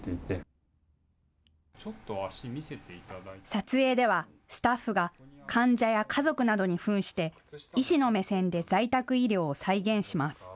撮影ではスタッフが患者や家族などにふんして医師の目線で在宅医療を再現します。